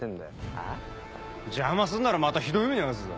あ？邪魔すんならまたひどい目に遭わすぞ。